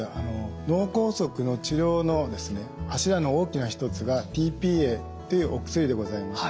脳梗塞の治療の柱の大きな一つがｔ−ＰＡっていうお薬でございます。